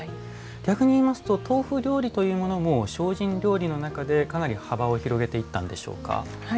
逆に言いますと豆腐料理というものも精進料理の中でかなり幅を広げていったんでしょうか？